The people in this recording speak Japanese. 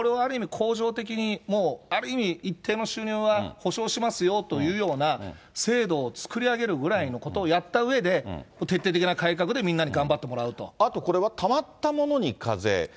恒常的にもう、ある意味一定の収入は補償しますよというような制度を作り上げるぐらいのことをやったうえで、徹底的な改革でみんなに頑張ってもらうと。